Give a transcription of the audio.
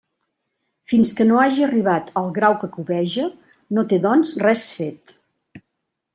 Fins que no hagi arribat al grau que cobeja, no té, doncs, res fet.